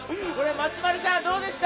松丸さん、どうでした？